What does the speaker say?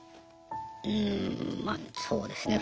うんまそうですね。